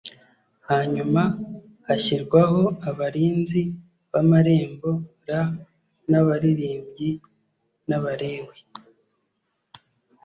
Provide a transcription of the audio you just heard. hanyuma hashyirwaho abarinzi b amarembo r n abaririmbyi n abalewi